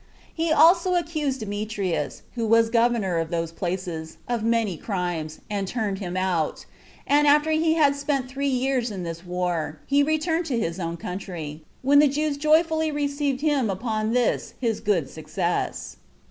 He also accused Demetrius, who was governor of those places, of many crimes, and turned him out; and after he had spent three years in this war, he returned to his own country, when the Jews joyfully received him upon this his good success.